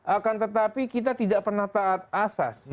akan tetapi kita tidak pernah taat asas